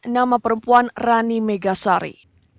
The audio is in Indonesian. nama perempuan rani megasari